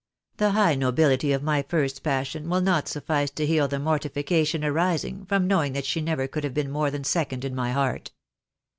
The high nobility of my first passion will not suffice to heal the mortification arising from knowing that she never could have been more than second in my heart.